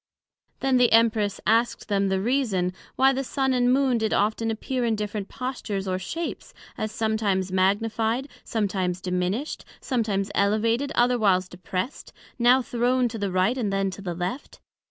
Then the Empress asked them the reason, Why the Sun and Moon did often appear in different postures or shapes, as sometimes magnified, sometimes diminished; sometimes elevated, otherwhiles depressed; now thrown to the right, and then to the left?